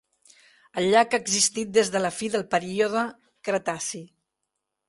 El llac ha existit des de la fi del període Cretaci.